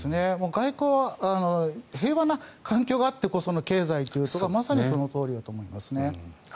外交は平和な環境があってこその経済というのは、まさにそのとおりだと思いますね。